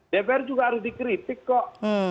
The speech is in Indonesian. dpr juga harus dikritik kok